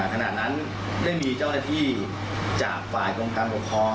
ขณะนั้นได้มีเจ้าหน้าที่จากฝ่ายกรมการปกครอง